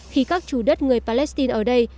khi các chủ đất người palestine ở đây